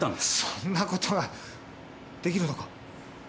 そんなことができるのか？